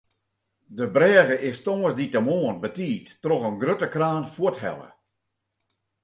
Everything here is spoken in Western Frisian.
De brêge is tongersdeitemoarn betiid troch in grutte kraan fuorthelle.